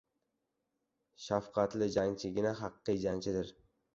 • Shafqatli jangchigina haqiqiy jangchidir.